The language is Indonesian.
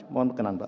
mohon berkenan pak